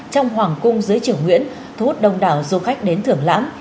trong hoàng cung dưới triều nguyễn thu hút đông đảo du khách đến thưởng lãm